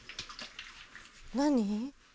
何？